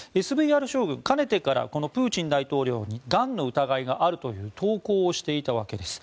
ＳＶＲ将軍かねてからプーチン大統領にがんの疑いがあるという投稿をしていたわけです。